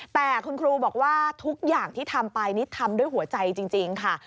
แต่คุณครูบอกว่าทุกอย่างที่ทำไปนี่ทำด้วยหัวใจจริงค่ะ